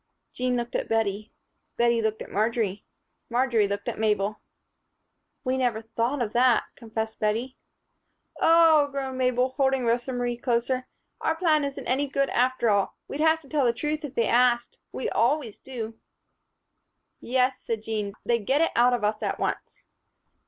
Jean looked at Bettie, Bettie looked at Marjory, Marjory looked at Mabel. "We never thought of that," confessed Bettie. "Oh," groaned Mabel, holding Rosa Marie closer, "our plan isn't any good after all. We'd have to tell the truth if they asked; we always do." "Yes," said Jean, "they'd get it out of us at once."